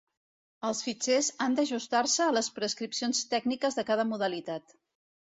Els fitxers han d'ajustar-se a les prescripcions tècniques de cada modalitat.